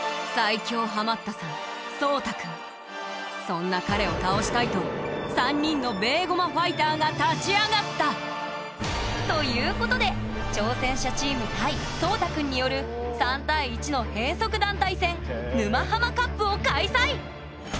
そんな彼を倒したいと３人のベーゴマファイターが立ち上がった。ということで挑戦者チーム対そうた君による３対１の変則団体戦沼ハマカップを開催！